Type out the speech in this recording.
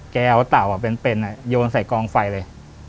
แกเอาเต่าเป็นโยนใส่กองไฟเลย